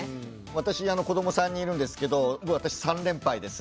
私子ども３人いるんですけど私３連敗です。